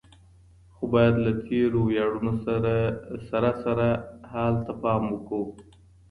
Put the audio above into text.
خو بايد له تېرو وياړونو سره سره حال ته پام وکړو.